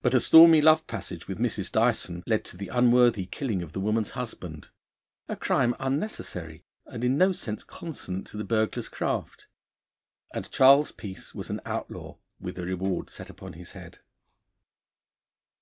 But a stormy love passage with Mrs. Dyson led to the unworthy killing of the woman's husband a crime unnecessary and in no sense consonant to the burglar's craft; and Charles Peace was an outlaw, with a reward set upon his head.